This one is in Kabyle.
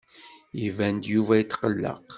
Iban-d Yuba yettqelleq.